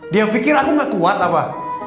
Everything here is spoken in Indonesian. dia pikir aku gak kuat apa